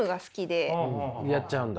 やっちゃうんだ？